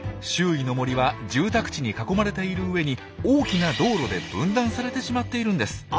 周囲の森は住宅地に囲まれているうえに大きな道路で分断されてしまっているんです。